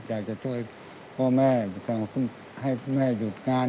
อยากจะช่วยพ่อแม่ให้แม่หยุดงาน